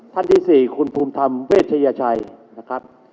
ท่านที่๔คุณภูมิธรรมเวชยชัยนะครับ